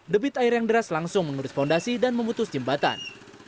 debit air yang deras langsung mengurus fondasi dan memutus jembatan